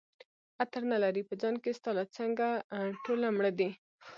عطر نه لري په ځان کي ستا له څنګه ټوله مړه دي